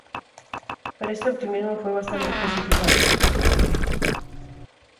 Pero este optimismo fue bastante precipitado.